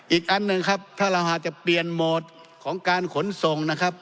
อีกอันหนึ่งครับถ้าเราอาจจะเปลี่ยนโหมดของการขนส่งนะครับ